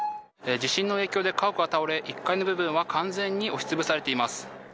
地震の影響で家屋が倒れ、１階の部分は完全に押しつぶされています。